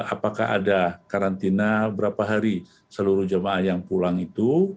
apakah ada karantina berapa hari seluruh jemaah yang pulang itu